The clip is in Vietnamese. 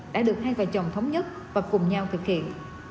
đã được hai vợ chồng thống nhất và cùng nhau thực hiện